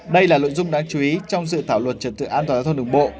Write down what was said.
đây là nội dung đáng chú ý trong dự thảo luật trật tự an toàn giao thông đường bộ